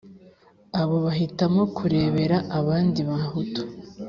Abo bahitamo kurebera abandibahutu